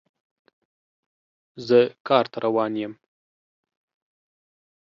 زه کار ته روان یم